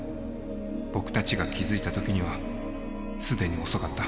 僕たちが気付いた時には既に遅かった。